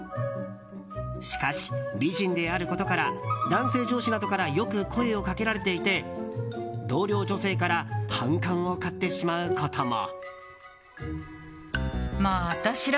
しかし、美人であることから男性上司などからよく声をかけられていて同僚女性から反感を買ってしまうことも。